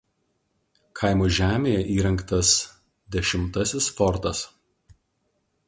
Kaimo žemėje įrengtas X fortas.